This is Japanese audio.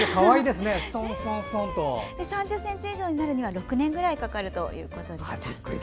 ３０ｃｍ以上になるには６年ぐらいかかるということでした。